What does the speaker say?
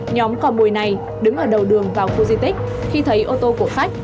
nhóm cò mồi này đứng ở đầu đường vào khu di tích khi thấy ô tô của khách